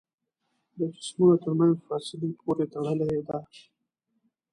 د جسمونو تر منځ فاصلې پورې تړلې ده.